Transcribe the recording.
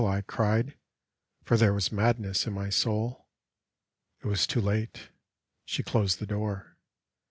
" I cried. For there was madness in my soul. It was too late. ... She closed the door.